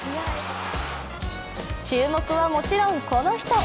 注目はもちろんこの人。